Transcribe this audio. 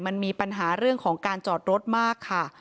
มันมีปัญหาเรื่องของการจอดรถมากค่ะ